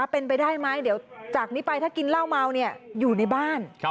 เป็นไปได้ไหมเดี๋ยวจากนี้ไปถ้ากินเหล้าเมาอยู่ในบ้าน